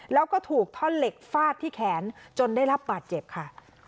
แล้วก็ถูกท่อนเหล็กฟาดที่แขนจนได้รับบาดเจ็บค่ะ